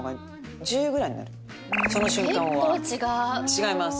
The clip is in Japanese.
違います。